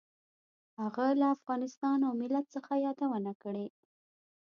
هغه له افغانستان او ملت څخه یادونه کړې.